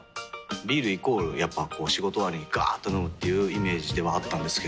ビールイコールやっぱこう仕事終わりにガーっと飲むっていうイメージではあったんですけど。